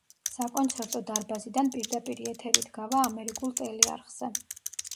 საკონცერტო დარბაზიდან პირდაპირი ეთერით გავა ამერიკულ ტელეარხზე.